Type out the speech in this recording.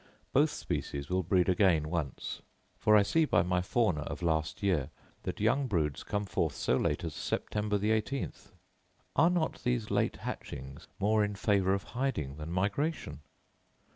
Both species will breed again once. For I see by my Fauna of last year, that young broods come forth so late as September the eighteenth. Are not these late hatchings more in favour of hiding than migration?